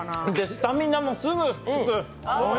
スタミナもすぐつく。